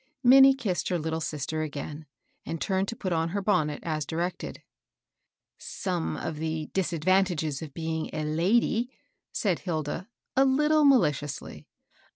Minnie kissed her little sister again, and turned to put on her bonnet, as directed. " Some of the disadvantages of being a lady^^ said Hilda, a Uttle maKdously.